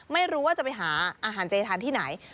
ไม่รู้ว่าจะไปหาอาหารเจทานที่ไหน